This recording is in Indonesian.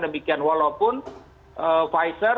demikian walaupun pfizer